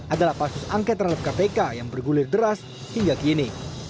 adalah pansus angket terhadap kpk yang bergulir deras hingga kini